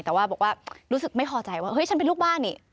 แต่ว่าบอกว่ารู้สึกไม่พอใจว่าเฮ้ยฉันเป็นลูกบ้านนี่